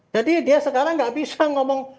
jadi dia sekarang enggak bisa ngomong